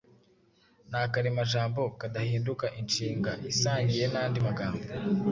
Ni akaremajambo kadahinduka inshinga isangiye n’andi magambo